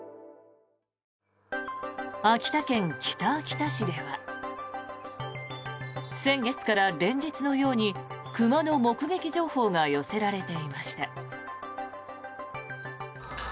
秋田県北秋田市では先月から連日のように熊の目撃情報が寄せられていました。